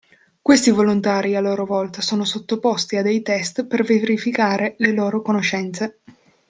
Questi volontari a loro volta sono sottoposti a dei test per verificare le loro conoscenze.